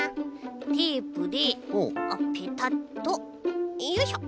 テープであっペタッとよいしょ！